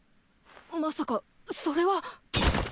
まさかそれは。